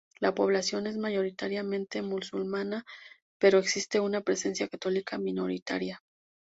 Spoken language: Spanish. La población es mayoritariamente musulmana, pero existe una presencia católica minoritaria.